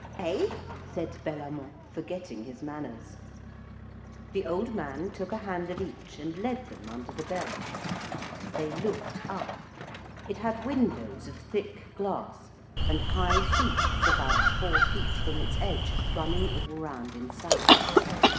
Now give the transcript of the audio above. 'Eh?' said Bellamant forgetting his manners. The old man took a hand of each and led them under the bell. They looked up. It had windows of thick glass, and high seats about four feet from its edge, running all round inside.